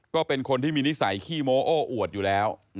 ก็เป็นคนที่มีนิสัยขี้โมโอ้อวดอยู่แล้ว